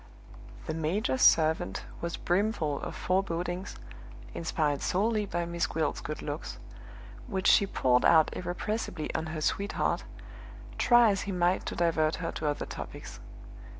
The major's servant was brimful of forebodings (inspired solely by Miss Gwilt's good looks) which she poured out irrepressibly on her "sweetheart," try as he might to divert her to other topics.